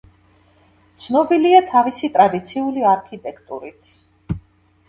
ცნობილია თავის ტრადიციული არქიტექტურით.